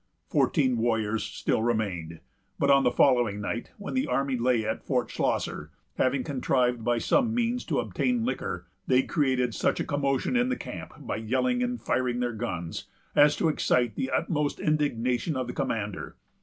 Fourteen warriors still remained; but on the following night, when the army lay at Fort Schlosser, having contrived by some means to obtain liquor, they created such a commotion in the camp, by yelling and firing their guns, as to excite the utmost indignation of the commander.